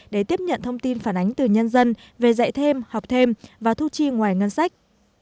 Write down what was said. để tiếp nhận thông tin phản ánh từ nhân dân về dạy thêm học thêm và thu chi ngoài ngân sách